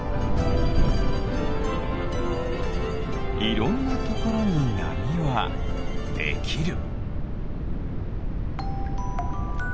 いろんなところになみはできる。